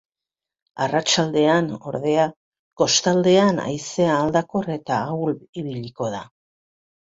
Arratsaldean, ordea, kostaldean haizea aldakor eta ahul ibiliko da.